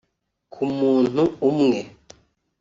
ku muntu umwe